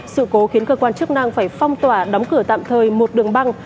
sự cố khiến cơ quan chức năng phải phong tỏa đóng cửa tạm thời một đường băng